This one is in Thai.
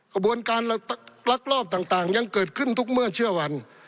กระบวนการลักลอบต่างยังเกิดขึ้นทุกเมื่อเชื่อวัน